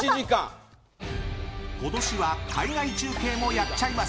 今年は海外中継もやっちゃいます！